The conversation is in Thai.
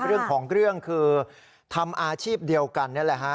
เรื่องของเรื่องคือทำอาชีพเดียวกันนี่แหละฮะ